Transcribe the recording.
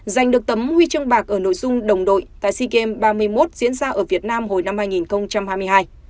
giành được tấm huy chương bạc ở nội dung đồng đội tại sea games ba mươi một diễn ra ở việt nam hồi năm hai nghìn hai mươi hai